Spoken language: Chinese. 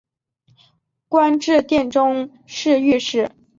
官至殿中侍御史。